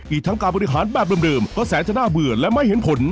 อีกทั้งการบริหารแบบเดิมก็แสนจะน่าเบื่อและไม่เห็นผล